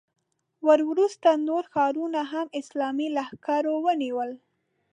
وروسته نور ښارونه هم اسلامي لښکرو ونیول.